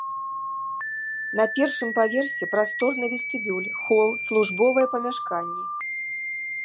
На першым паверсе прасторны вестыбюль, хол, службовыя памяшканні.